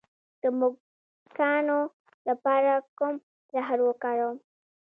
د موږکانو لپاره کوم زهر وکاروم؟